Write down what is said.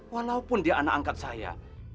walaupun dia anak angkat saya